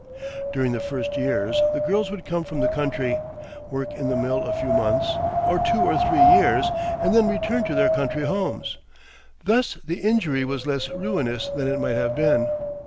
During the first years the girls would come from the country, work in the mill a few months, or two or three years, and then return to their country homes. Thus the injury was less ruinous than it might have been.